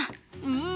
うん！